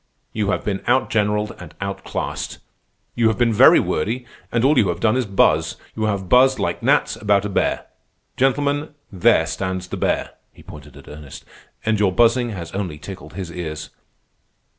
You have been outgeneralled and outclassed. You have been very wordy, and all you have done is buzz. You have buzzed like gnats about a bear. Gentlemen, there stands the bear" (he pointed at Ernest), "and your buzzing has only tickled his ears.